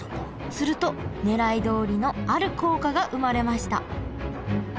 するとねらいどおりのある効果が生まれました。